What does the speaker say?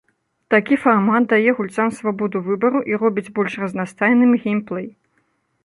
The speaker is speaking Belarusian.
Такі фармат дае гульцам свабоду выбару і робіць больш разнастайным геймплэй.